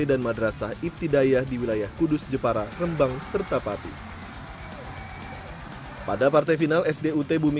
dan madrasah ibtidayah di wilayah kudus jepara rembang serta pati pada partai final sd ut bumi